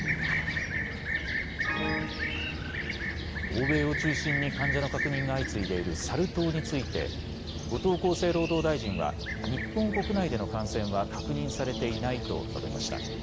欧米を中心に患者の確認が相次いでいるサル痘について、後藤厚生労働大臣は、日本国内での感染は確認されていないと述べました。